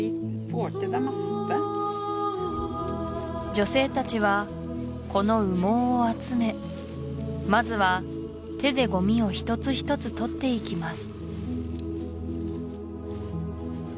女性達はこの羽毛を集めまずは手でゴミを一つ一つ取っていきます